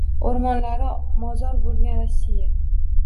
O’rmonlari mozor bo’lgan Rossiya